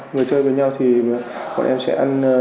người chơi với nhau thì bọn em sẽ ăn